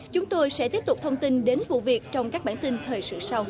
chúng tôi sẽ tiếp tục thông tin đến vụ việc trong các bản tin thời sự sau